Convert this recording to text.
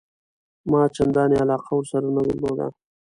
ما چنداني علاقه ورسره نه درلوده.